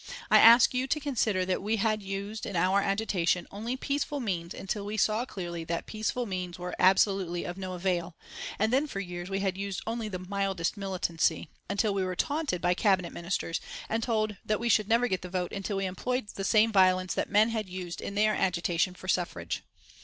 I ask you to consider that we had used, in our agitation, only peaceful means until we saw clearly that peaceful means were absolutely of no avail, and then for years we had used only the mildest militancy, until we were taunted by Cabinet Ministers, and told that we should never get the vote until we employed the same violence that men had used in their agitation for suffrage.